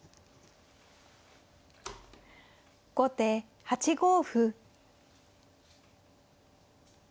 後手８五歩。